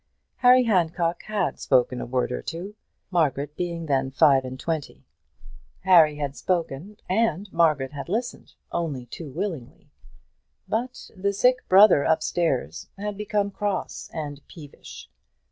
Harry Handcock had spoken a word or two, Margaret being then five and twenty, and Harry ten years her senior. Harry had spoken, and Margaret had listened only too willingly. But the sick brother upstairs had become cross and peevish.